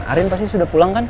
arin pasti sudah pulang kan